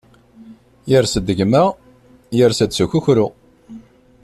Yers-d gma, yers-d s ukukru.